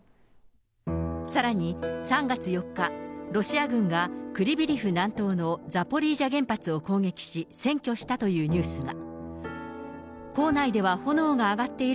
さらに、３月４日、ロシア軍がクリビリフ南東のザポリージャ原発を攻撃し、占拠したというニュースが。